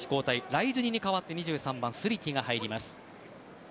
ライドゥニに代わって２３番、スリティが入ります。